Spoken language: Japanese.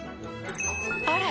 あれ⁉